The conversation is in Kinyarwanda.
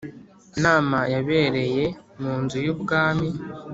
Nama yabereye mu nzu y ubwami